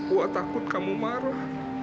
wak takut kamu marah